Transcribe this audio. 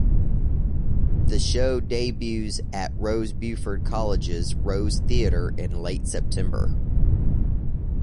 The show debuts at Rose Bruford College's Rose theatre in late September.